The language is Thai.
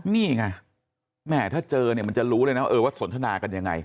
นี่ไงแม่ถ้าเจอเนี่ยมันจะรู้เลยนะเออว่าสนทนากันยังไง